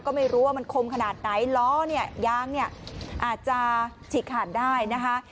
ก็ไม่รู้ว่ามันคมขนาดไหนล้อเนี่ยยางเนี่ยอาจจะฉีกขาดได้นะคะ